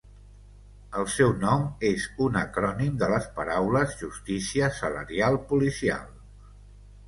El seu nom és un acrònim de les paraules Justícia Salarial Policial.